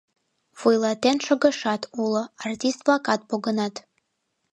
Вуйлатен шогышат уло, артист-влакат погынат.